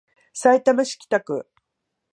さいたま市北区